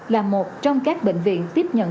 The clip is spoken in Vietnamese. là một trong các bệnh viện tiếp nhận